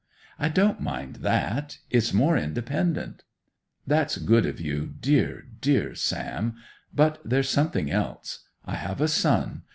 'I don't mind that! It's more independent.' 'That's good of you, dear, dear Sam. But there's something else. I have a son